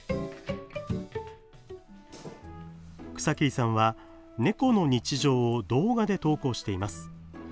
草切さんは、猫の日常を動画で投稿しています。